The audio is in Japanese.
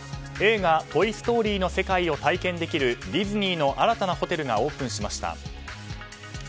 映画「トイ・ストーリー」の世界を体験できるディズニーの新たなホテルがオープンしました。